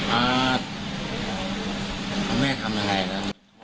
อ่าคุณแม่ทำยังไงล่ะ